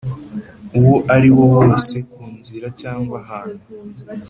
uwo ariwo wose ku nzira cyangwa ahantu